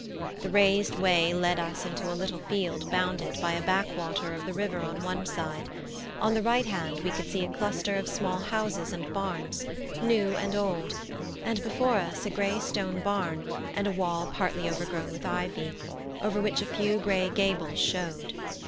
The raised way led us into a little field bounded by a backwater of the river on one side; on the right hand we could see a cluster of small houses and barns, new and old, and before us a grey stone barn and a wall partly overgrown with ivy, over which a few grey gables showed.